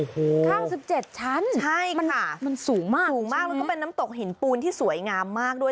ข้าง๗ชั้นใช่ค่ะมันสูงมากสูงมากแล้วก็เป็นน้ำตกหินปูนที่สวยงามมากด้วย